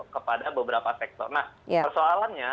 kepada beberapa sektor nah persoalannya